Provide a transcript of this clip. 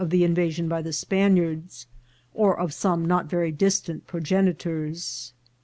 443 the invasion by the Spaniards, or of some not very dis tant progenitors.